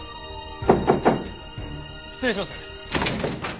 失礼します。